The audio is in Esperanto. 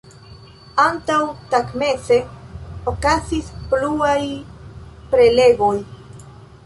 Antaŭtagmeze okazis pluaj prelegoj.